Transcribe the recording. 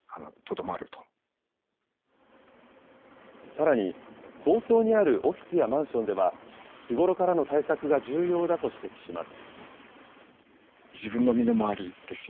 さらに、高層にあるオフィスやマンションでは、日頃からの対策が重要だと指摘します。